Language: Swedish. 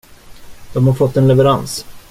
De har fått en leverans.